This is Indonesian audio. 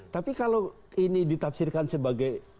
tapi kalau ini ditafsirkan sebagai